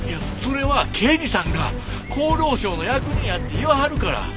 それは刑事さんが厚労省の役人やって言わはるから。